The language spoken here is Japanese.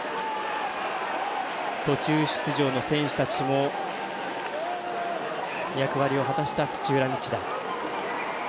途中出場の選手たちも役割を果たした土浦日大。